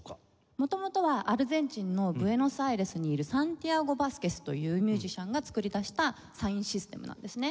元々はアルゼンチンのブエノスアイレスにいるサンティアゴ・バスケスというミュージシャンが作り出したサインシステムなんですね。